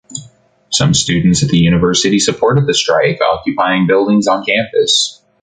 Some students at the university supported the strike, occupying buildings on campus.